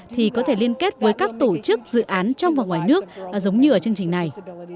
thì có thể liên kết với các tổ chức dự án trong và ngoài nước giống như ở chương trình này